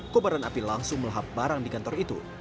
kobaran api langsung melahap barang di kantor itu